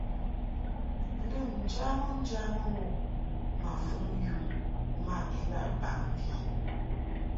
Lɨm njamɨŋjamɨ wuʼ ma fuŋ yum ma ilaʼ baʼ mvi.